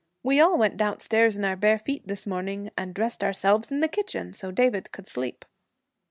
We all went downstairs in our bare feet this morning, and dressed ourselves in the kitchen, so David could sleep.'